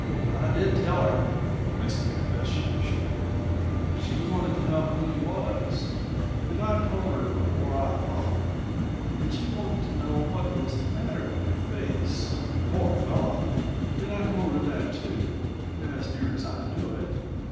"I did tell her," Mason confessed sheepishly. "She wanted to know who you was, and I told her before I thought. And she wanted to know what was the matter with your face, 'poor fellow,' and I told her that, too as near as I knew it.